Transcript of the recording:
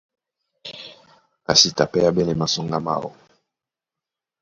A sí ta pɛ́ á ɓɛ́nɛ́ masoŋgá máō.